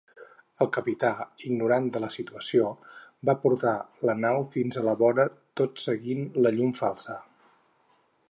El capità, ignorant de la situació, va portar la nau fins a la vora tot seguint la llum falsa.